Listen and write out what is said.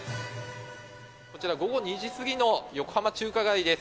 こちら、午後２時過ぎの横浜中華街です。